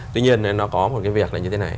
tuy nhiên nó có một cái việc là như thế này